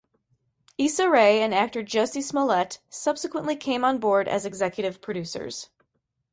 Issa Rae and actor Jussie Smollett subsequently came on board as executive producers.